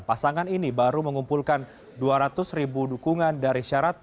pasangan ini baru mengumpulkan dua ratus ribu dukungan dari syarat